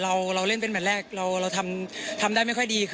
เราเล่นเป็นแมทแรกเราทำได้ไม่ค่อยดีค่ะ